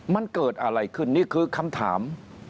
มันเกิดอะไรขึ้นนี่คือคำถาม